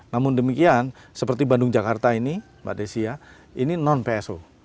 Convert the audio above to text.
namun demikian seperti bandung jakarta ini mbak desi ya ini non pso